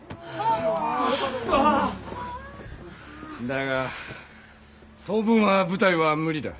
だが当分は舞台は無理だ。